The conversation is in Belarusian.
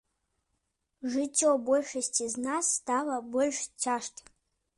Жыццё большасці з нас стала больш цяжкім.